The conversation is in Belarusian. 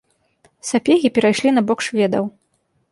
Сапегі перайшлі на бок шведаў.